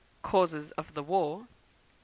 Causes of the War; 3.